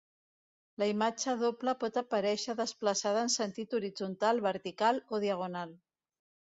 La imatge doble pot aparèixer desplaçada en sentit horitzontal, vertical o diagonal.